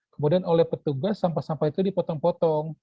kemudian oleh petugas sampah sampah itu dipotong potong